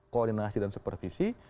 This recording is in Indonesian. koordinasi dan supervisi